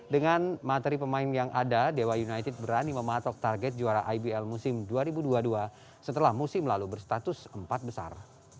dengan materi pemain yang ada dewa united berani mematok target juara ibl musim dua ribu dua puluh dua setelah musim lalu berstatus empat besar